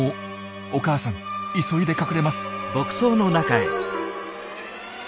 お母さん急いで隠れます。